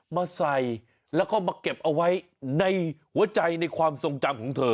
มาใส่แล้วก็มาเก็บเอาไว้ในหัวใจในความทรงจำของเธอ